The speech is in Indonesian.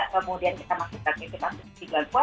kemudian kita masukkan intensitas tubuh di bulan puasa